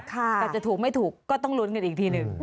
แต่จะถูกไม่ถูกก็ต้องลุ้นกันอีกทีหนึ่ง